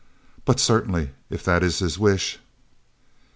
But certainly, if that is his wish!"